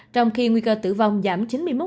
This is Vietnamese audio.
trong khi nguy cơ tử vong giảm chín mươi một